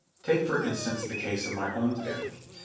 Take for instance the case of my own family.